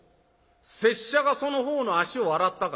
拙者がその方の足を洗ったか」。